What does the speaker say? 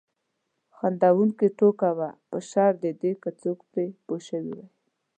خندونکې ټوکه وه په شرط د دې که څوک پرې پوه شوي وای.